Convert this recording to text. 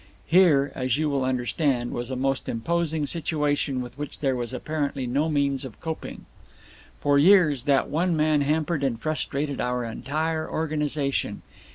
Here, as you will understand, was a most impossible situation with which there was apparently no means of coping. "For years that one man hampered and frustrated our entire organization.